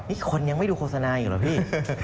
นี่คนยังไม่ดูโฆษณาอยู่เหรอพี่